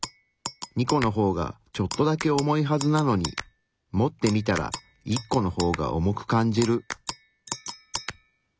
２個の方がちょっとだけ重いはずなのに持ってみたら１個の方が重く感じる。